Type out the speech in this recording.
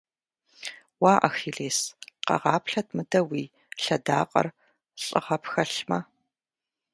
Уэ, Ахилес! Къэгъаплъэт мыдэ уи лъэдакъэр, лӏыгъэ пхэлъмэ!